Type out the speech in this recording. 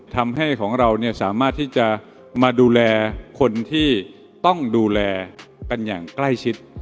ทำให้ของเราเนี่ยสามารถที่จะมาดูแลคนที่ต้องดูแลกันอย่างใกล้ชิด